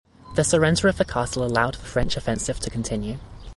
The surrender of the castle allowed the French offensive to continue.